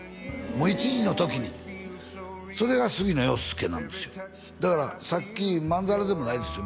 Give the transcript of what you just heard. もう１次の時にそれが杉野遥亮なんですよだからさっきまんざらでもないですよ